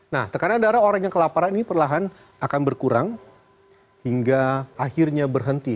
nah tekanan darah orang yang kelaparan ini perlahan akan berkurang hingga akhirnya berhenti